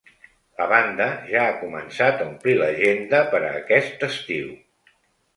La banda ja ha començat a omplir l’agenda per a aquest estiu.